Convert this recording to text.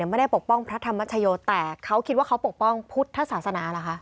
ปกป้องพระธรรมชโยแต่เขาคิดว่าเขาปกป้องพุทธศาสนาเหรอคะ